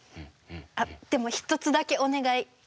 あっでも一つだけお願い！